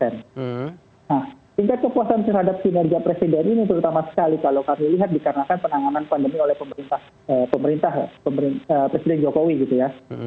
nah tingkat kepuasan terhadap kinerja presiden ini terutama sekali kalau kami lihat dikarenakan penanganan pandemi oleh pemerintah presiden jokowi gitu ya